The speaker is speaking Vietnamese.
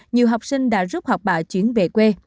nhiều học sinh đã rút học bạ chuyển về quê